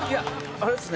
あれですね。